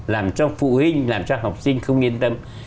làm cho phụ huynh làm cho học sinh không yên tâm